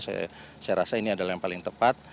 saya rasa ini adalah yang paling tepat